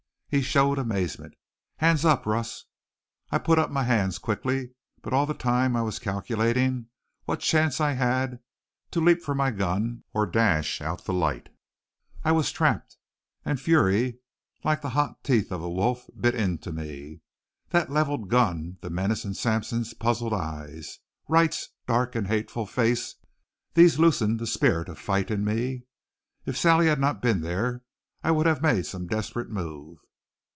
He showed amazement. "Hands up, Russ!" I put up my hands quickly, but all the time I was calculating what chance I had to leap for my gun or dash out the light. I was trapped. And fury, like the hot teeth of a wolf, bit into me. That leveled gun, the menace in Sampson's puzzled eyes, Wright's dark and hateful face, these loosened the spirit of fight in me. If Sally had not been there I would have made some desperate move.